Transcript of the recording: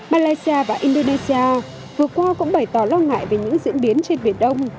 malaysia và indonesia vừa qua cũng bày tỏ lo ngại về những diễn biến trên biển đông